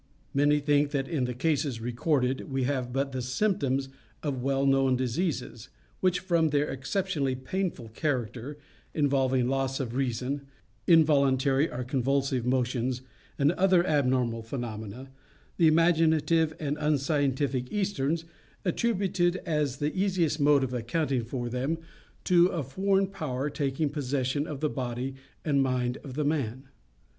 Many think that in the cases recorded we have but the symptoms of well known diseases, which, from their exceptionally painful character, involving loss of reason, involuntary or convulsive motions, and other abnormal phenomena, the imaginative and unscientific Easterns attributed, as the easiest mode of accounting for them, to a foreign power taking possession of the body and mind of the man.